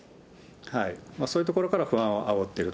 はい、そういうところから不安をあおっている。